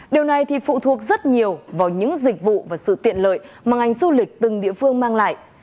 điều này thì phụ thuộc rất nhiều vào những dịch vụ và sự tiện lợi mà ngành du lịch từng địa phương mang lại